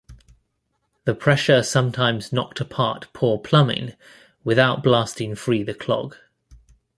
The pressure sometimes knocked apart poor plumbing without blasting free the clog.